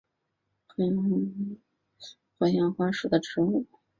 金塔火焰花是爵床科火焰花属的植物。